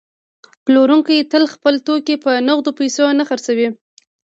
پلورونکی تل خپل توکي په نغدو پیسو نه خرڅوي